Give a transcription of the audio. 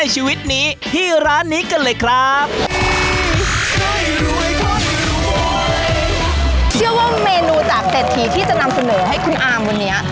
เชื่อว่าเมนูจากเศรษฐีที่จะนำเสนอให้คุณอามวันนี้